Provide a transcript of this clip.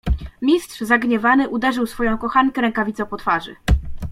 "Mistrz zagniewany uderzył swoją kochankę rękawicą po twarzy."